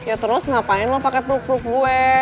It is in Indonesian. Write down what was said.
ya terus ngapain lo pakai peluk peluk gue